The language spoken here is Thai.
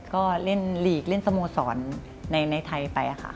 ก็เล่นหลีกเล่นสโมสรในไทยไปค่ะ